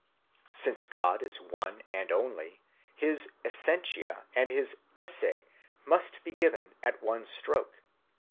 Since God is one and only, his essentia and his esse must be given at one stroke.